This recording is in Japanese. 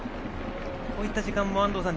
こういった時間も安藤さん